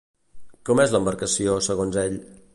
Com és l'embarcació, segons ell?